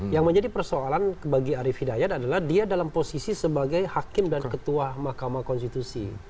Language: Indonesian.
yang menjadi persoalan bagi arief hidayat adalah dia dalam posisi sebagai hakim dan ketua mahkamah konstitusi